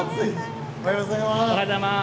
おはようございます。